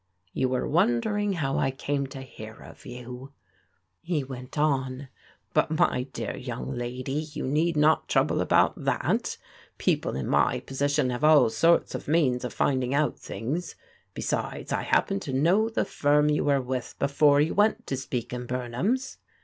You were wondering how I came to hear of you," be went on, "but, my dear young lady, you need not 1 trouble about that. Pec^^ in my position have all sorts of means of finding out things. Besides, I happen to know the firm you were with before you went to Speke and Bumham's.